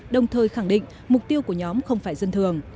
đồng thời khẳng định mục tiêu của nhóm không phải dân thường